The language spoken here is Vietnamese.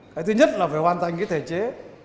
cái thứ nhất là phải hoàn thành thể chế